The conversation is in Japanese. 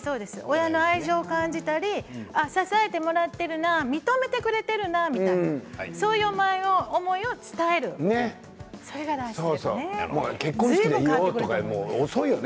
親の愛情を感じたり支えてもらっているが認めてくれてるなみたいなそういう思いを伝えるそれが大事です。